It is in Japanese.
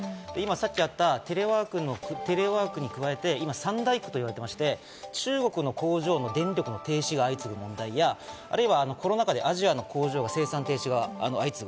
さっきあったテレワークに加えて今、三大苦と言われていまして、中国の工場の電力の停止が相次ぐ問題や、コロナ禍でアジアの工場が生産停止が相次ぐ。